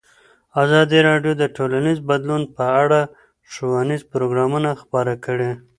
ازادي راډیو د ټولنیز بدلون په اړه ښوونیز پروګرامونه خپاره کړي.